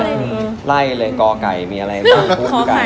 นั่งรถมา๒ชั่วโมงเหมือนกัน